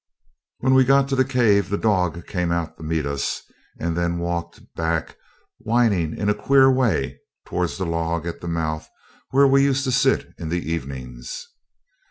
When we got to the cave the dog came out to meet us, and then walked back whining in a queer way towards the log at the mouth, where we used to sit in the evenings.